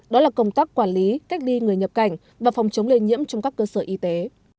đó là công tác quản lý cách ly người nhập cảnh và phòng chống lây nhiễm trong các cơ sở y tế